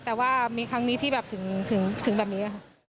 แต่ว่ามีครั้งนี้ที่แบบถึงแบบนี้ค่ะ